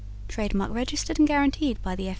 Trade Mark registered and guaranteed by The F.